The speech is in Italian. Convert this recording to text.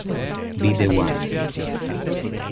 Be the One